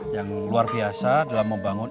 yang luar biasa dalam membangun